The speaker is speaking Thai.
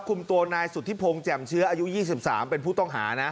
คุมตัวนายสุธิพงศ์แจ่มเชื้ออายุ๒๓เป็นผู้ต้องหานะ